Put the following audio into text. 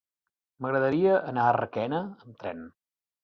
M'agradaria anar a Requena amb tren.